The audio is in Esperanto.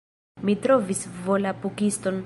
Mi trovis Volapukiston!